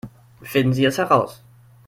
Finden Sie es heraus!